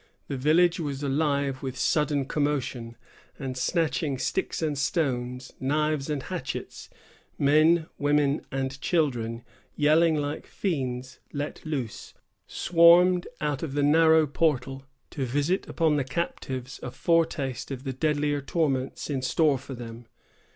The village was alive with sudden commotion, and snatching sticks and stones, knives and hatchets, men, women, and children, yelling like fiends let loose, swarmed out of the narrow portal, to visit upon the captives a foretaste of the deadlier torments in store for them.